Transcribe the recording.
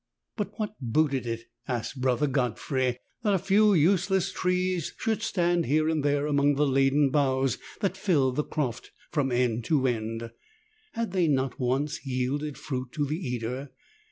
But what booted it, asked Brother Godfrey, that a few useless trees should stand here and there among the laden boughs that filled the croft from end to end? Had they not once yielded fruit to the eater?